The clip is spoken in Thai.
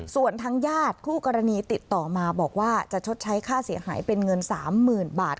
ส่วนทางญาติคู่กรณีติดต่อมาบอกว่าจะชดใช้ค่าเสียหายเป็นเงิน๓๐๐๐บาท